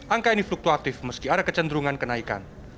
angka ini fluktuatif meski ada kecenderungan kenaikan